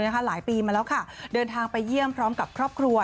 หลายปีมาแล้วค่ะเดินทางไปเยี่ยมพร้อมกับครอบครัว